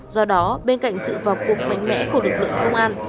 do đó bên cạnh sự vào cuộc mạnh mẽ của lực lượng công an